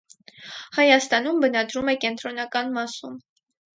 Հայաստանում բնադրում է կենտրոնական մասում։